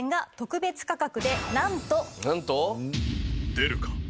出るか？